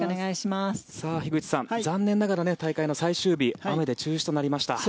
樋口さん残念ながら大会の最終日雨で中止となりました。